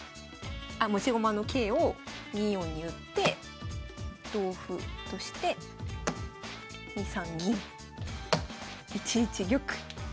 あ持ち駒の桂を２四に打って同歩として２三銀１一玉。